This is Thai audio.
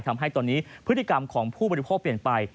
ทำให้ตอนนี้พฤติกรรมของผู้บริโภคเปลี่ยนไป